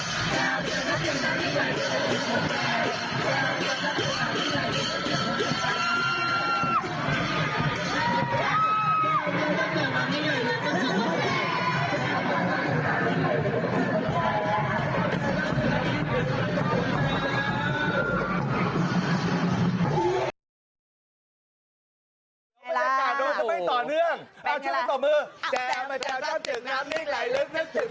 สวัสดีมากกว่ามานึง